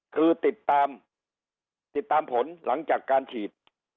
คือติดตามติดตามผลหลังจากการฉีด